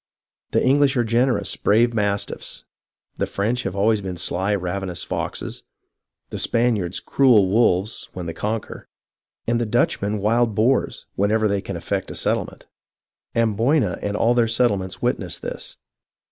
The EngUsh are generous, brave mastiffs ; the French have always been sly, ravenous foxes ; the Span iards, cruel wolves, when they conquer ; and the Dutch men wild boars, wherever they can effect a settlement. Amboyna and all their settlements witness this.